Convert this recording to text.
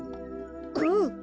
うん！